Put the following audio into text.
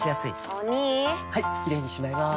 お兄はいキレイにしまいます！